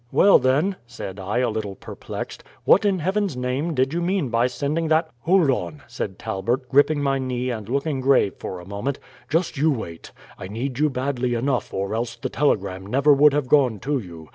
"Well, then," said I, a little perplexed, "what in Heaven's name did you mean by sending that " "Hold on," said Talbert, gripping my knee and looking grave for a moment, "just you wait. I need you badly enough or else the telegram never would have gone to you.